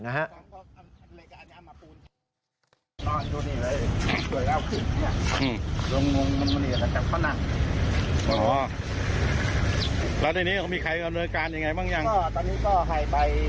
ใบคำเมินราคาให้ทัพพูดกับคนที่อยู่บ้านเขาครับ